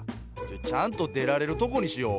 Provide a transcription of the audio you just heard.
ちゃんと出られるとこにしよ。